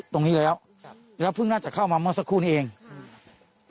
ตรงนี้แล้วครับแล้วเพิ่งน่าจะเข้ามาเมื่อสักครู่นี้เองอืม